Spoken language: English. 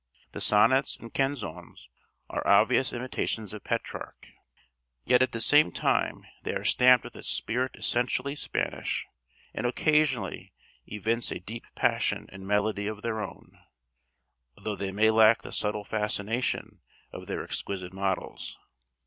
The sonnets and canzones are obvious imitations of Petrarch; yet at the same time they are stamped with a spirit essentially Spanish, and occasionally evince a deep passion and melody of their own, although they may lack the subtle fascination of their exquisite models.